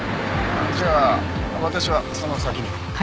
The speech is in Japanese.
じゃあ私はその先に。